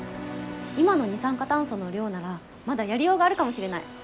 今の二酸化炭素の量ならまだやりようがあるかもしれない。